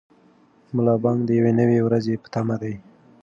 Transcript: ملا بانګ د یوې نوې ورځې په تمه دی.